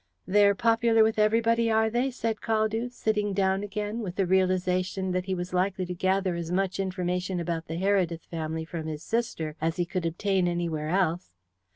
"They are popular with everybody, are they?" said Caldew, sitting down again with the realization that he was likely to gather as much information about the Heredith family from his sister as he could obtain anywhere else.